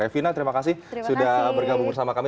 evina terima kasih sudah bergabung bersama kami